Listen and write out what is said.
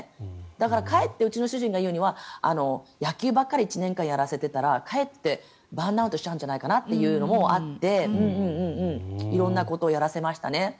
だから、かえってうちの主人が言うには野球ばっかり１年間やらせていたらかえってバーンアウトしちゃうんじゃないのかなというのはあって色んなことをやらせましたね。